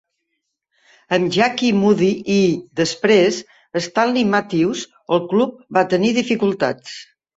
Amb Jackie Mudie i, després, Stanley Matthews, el club va tenir dificultats.